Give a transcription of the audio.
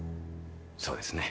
そうですね。